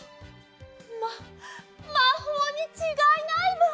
ままほうにちがいないわ！